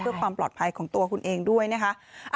เพื่อความปลอดภัยของตัวคุณเองด้วยนะคะ